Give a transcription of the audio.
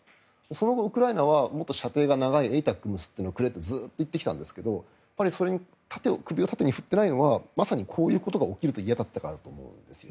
その後、ウクライナはもっと射程が長いものをくれと言ってきたんだけどそれに首を縦に振っていないのはまさにこういうことが起きると嫌だったからだと思うんです。